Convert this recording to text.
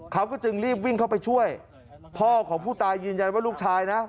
เขาก็จึงรีบวิ่งเข้าไปช่วยพ่อของผู้ตายยืนยันว่าลูกชายนะ